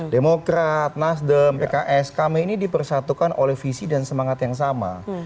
demokrat nasdem pks kami ini dipersatukan oleh visi dan semangat yang sama